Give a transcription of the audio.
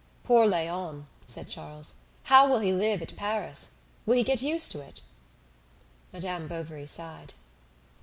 "Poor Léon!" said Charles. "How will he live at Paris? Will he get used to it?" Madame Bovary sighed.